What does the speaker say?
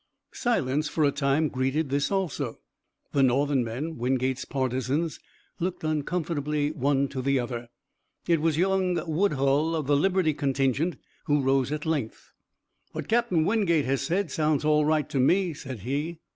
Silence for a time greeted this also. The Northern men, Wingate's partisans, looked uncomfortably one to the other. It was young Woodhull, of the Liberty contingent, who rose at length. "What Cap'n Wingate has said sounds all right to me," said he.